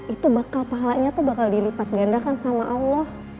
itu bakal pahalanya tuh bakal dilipat gandakan sama allah